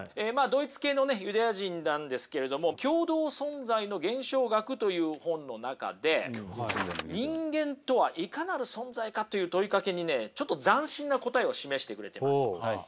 ドイツ系のユダヤ人なんですけれども「共同存在の現象学」という本の中で人間とはいかなる存在かという問いかけにねちょっと斬新な答えを示してくれてます。